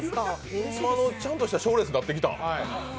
ホンマのちゃんとした賞レースになってきた。